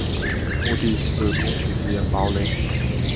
目的是攻取敌人堡垒。